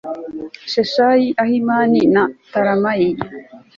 sheshayi, ahimani na talamayi